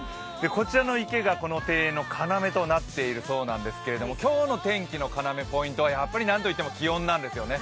こちらの池がこの庭園の要となっているそうなんですが今日の天気の要、ポイントはなんといっても気温なんですよね。